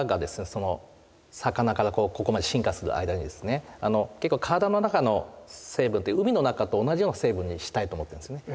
その魚からここまで進化する間にですね結構身体の中の成分って海の中と同じような成分にしたいと思ってるんですね。